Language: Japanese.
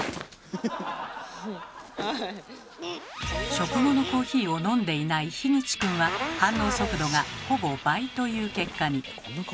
食後のコーヒーを飲んでいないひぐち君は反応速度がほぼ倍という結果に。